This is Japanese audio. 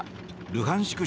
ルハンシク